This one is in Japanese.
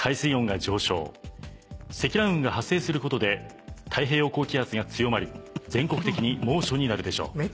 積乱雲が発生することで太平洋高気圧が強まり全国的に猛暑になるでしょう。